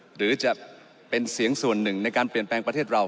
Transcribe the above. หรือจะเป็นเสียงส่วนหนึ่งในการเปลี่ยนแปลงประเทศเรา